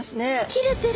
切れてる！